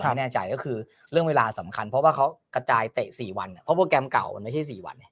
ไม่แน่ใจก็คือเรื่องเวลาสำคัญเพราะว่าเขากระจายเตะ๔วันเพราะโปรแกรมเก่ามันไม่ใช่๔วันไง